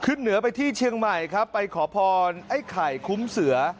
ขึ้นเหนือไปที่เชียงใหม่ไปขอพรไอไข่คุ้มเสือ